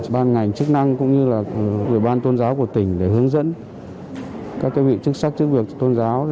ban ngành chức năng cũng như là ủy ban tôn giáo của tỉnh để hướng dẫn các vị chức sắc chức việc tôn giáo